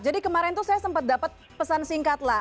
jadi kemarin tuh saya sempat dapat pesan singkat lah